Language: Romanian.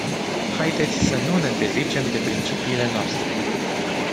Haideți să nu ne dezicem de principiile noastre.